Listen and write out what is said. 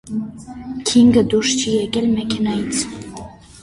Քինգը դուրս չի եկել մեքենայից։